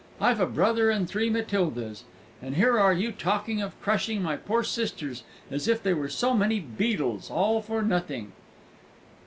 I've a brother and three Matildas, and here are you talking of crushing my poor sisters as if they were so many beadles all for nothing!"